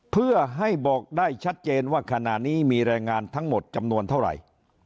เพื่อให้บอกได้ชัดเจนว่าขณะนี้มีแรงงานทั้งหมดจำนวนเท่าไหร่